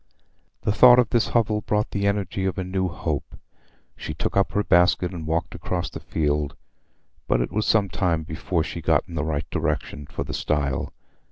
The thought of this hovel brought the energy of a new hope. She took up her basket and walked across the field, but it was some time before she got in the right direction for the stile.